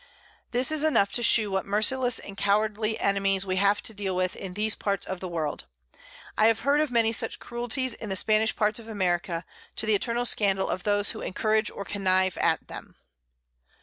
This is enough to shew what merciless and cowardly Enemies we have to deal with in these Parts of the World. I have heard of many such Cruelties in the Spanish Parts of America, to the eternal Scandal of those who encourage or connive at them.